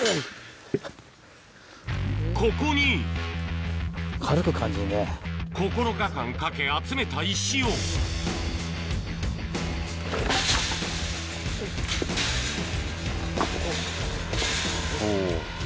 ここに９日間かけ集めた石をおぉ。